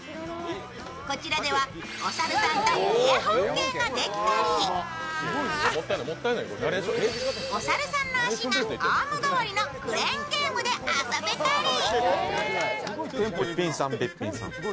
こちらでは、お猿さんとエアホッケーができたり、お猿さんの足がアームがわりのクレーンゲームで遊べたり。